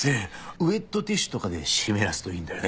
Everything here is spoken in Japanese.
ウェットティッシュとかで湿らすといいんだよね。